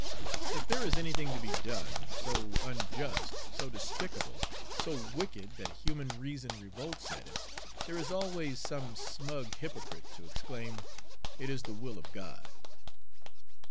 If there is anything to be done, so unjust, so despicable, so wicked that human reason revolts at it, there is always some smug hypocrite to exclaim, 'It is the will of God.'"